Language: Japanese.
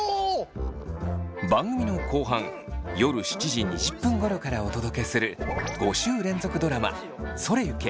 番組の後半夜７時２０分ごろからお届けする５週連続ドラマ「それゆけ！